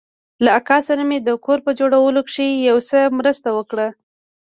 له اکا سره مې د کور په جوړولو کښې يو څه مرسته وکړه.